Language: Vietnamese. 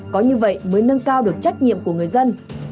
có như vậy mới nâng cao được trách nhiệm của người dân